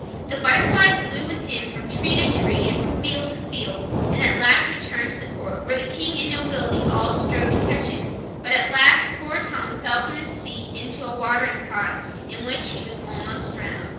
The butterfly flew with him from tree to tree and from field to field, at last returned to the court, where the King and nobility all strove to catch him; but at last poor Tom fell from his seat into a watering pot, in which he was almost drowned.